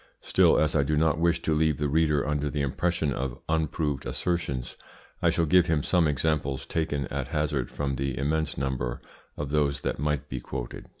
Still, as I do not wish to leave the reader under the impression of unproved assertions, I shall give him some examples taken at hazard from the immense number of those that might be quoted.